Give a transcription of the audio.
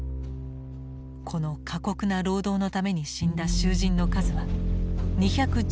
この過酷な労働のために死んだ囚人の数は２１１人に達した。